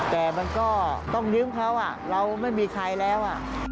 แต่มันก็ต้องยืมเขาเราไม่มีใครแล้ว